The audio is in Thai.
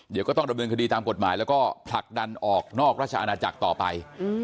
เดี๋ยวก็ต้องดำเนินคดีตามกฎหมายแล้วก็ผลักดันออกนอกราชอาณาจักรต่อไป